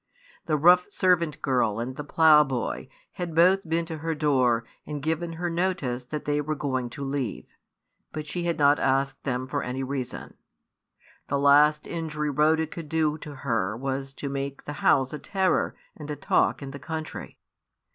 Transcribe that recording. The rough servant girl and the ploughboy had both been to her door, and given her notice that they were going to leave; but she had not asked them for any reason. The last injury Rhoda could do to her was to make the house a terror and a talk in the country.